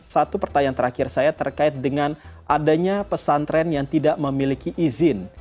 satu pertanyaan terakhir saya terkait dengan adanya pesantren yang tidak memiliki izin